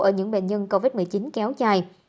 ở những bệnh nhân covid một mươi chín kéo dài